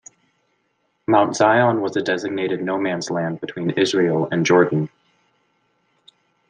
Mount Zion was a designated no-man's land between Israel and Jordan.